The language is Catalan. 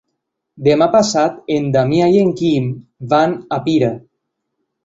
Demà passat en Damià i en Quim van a Pira.